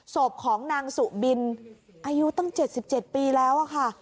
ศพของนางสุบินอายุตั้ง๗๗ปีแล้วค่ะ